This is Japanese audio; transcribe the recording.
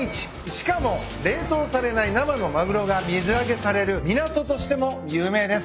しかも冷凍されない生のマグロが水揚げされる港としても有名です。